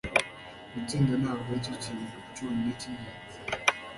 Gutsinda ntabwo aricyo kintu cyonyine cyingenzi.